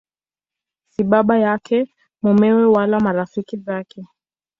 Si baba yake, mumewe wala marafiki zake.